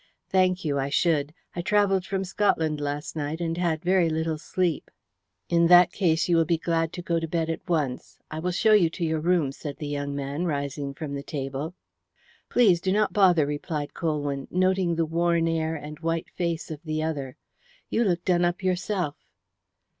"Thank you, I should. I travelled from Scotland last night, and had very little sleep." "In that case you will be glad to go to bed at once. I will show you to your room," said the young man, rising from the table. "Please do not bother," replied Colwyn, noting the worn air and white face of the other. "You look done up yourself."